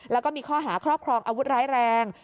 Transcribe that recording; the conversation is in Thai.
แล้วก็มีข้อหาครอบครองอาวุธร้ายแรง